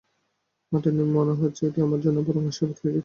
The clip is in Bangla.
মাঠে নেমে মনে হচ্ছে, এটি আমার জন্য বরং আশীর্বাদ হয়ে এসেছে।